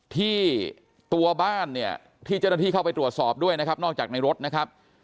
ที่ตัวบ้านเนี่ยที่เจ้าหน้าที่เข้าไปตรวจสอบด้วยนะครับนอกจากในรถนะครับ